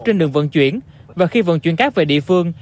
trên đường vận chuyển và khi vận chuyển cát về địa phương